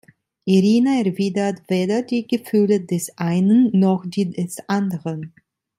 Irina erwidert weder die Gefühle des einen noch die des anderen.